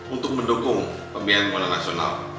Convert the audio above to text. untuk mendukung pembiayaan bola nasional